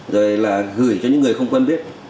rồi là gửi cho những người không quân biết